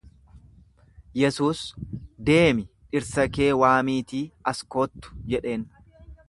Yesuus, Deemi dhirsa kee waamiitii as kottu jedheen.